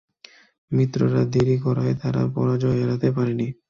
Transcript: মিত্ররা দেরি করায় তারা পরাজয় এড়াতে পারেনি।